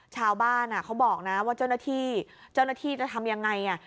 เขาบอกนะว่าเจ้าหน้าที่เจ้าหน้าที่จะทำยังไง